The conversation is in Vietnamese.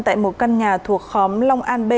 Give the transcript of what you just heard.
tại một căn nhà thuộc khóm long an b